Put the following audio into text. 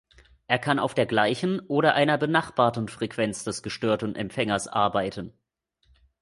Er kann auf der gleichen oder einer benachbarten Frequenz des gestörten Empfängers arbeiten.